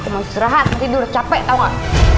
mau susurahan nanti dur capek tau gak